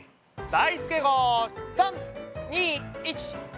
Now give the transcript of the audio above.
だいすけ号！３２１発射！